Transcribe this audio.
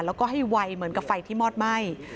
แล้วก็ให้ไวเหมือนกับไฟที่มอดไหม้